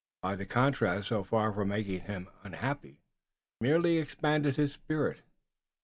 But the contrast, so far from making him unhappy, merely expanded his spirit.